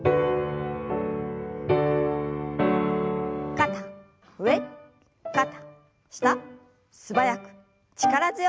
肩上肩下素早く力強く。